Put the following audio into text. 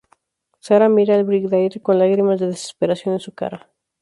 Sarah mira al Brigadier con lágrimas de desesperación en su cara.